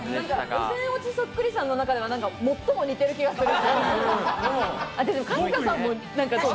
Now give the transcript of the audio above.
予選落ちそっくりさんの中では最も似てる気がする。